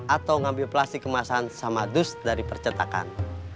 atau ngambil plastik kemasan sama dus dari percetakan